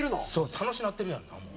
楽しなってるやんなもう。